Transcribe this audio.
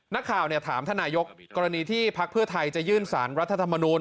นักข่าวถามท่านนายกกรณีที่พักเพื่อไทยจะยื่นสารรัฐธรรมนูล